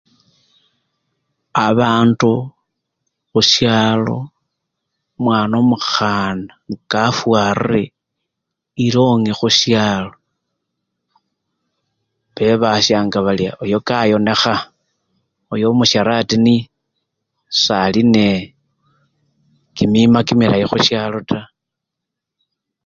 Abandu khusyalo omwana omukhana nga kafwaririe elongi khusyalo, bebasyaga bari oyomkayonekha, oyo omusyarati niye, sali nende kimima kimilayi khusyalo taa.